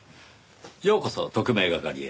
ようこそ特命係へ。